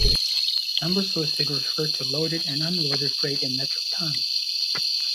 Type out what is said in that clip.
Numbers listed refer to loaded and unloaded freight in metric tonnes.